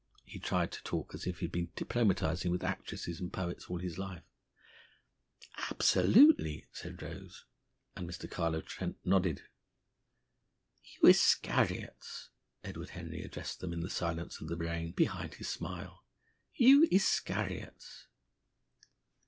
He tried to talk as if he had been diplomatising with actresses and poets all his life. "Absolutely!" said Rose. And Mr. Carlo Trent nodded. "You Iscariots!" Edward Henry addressed them, in the silence of the brain, behind his smile. "You Iscariots!"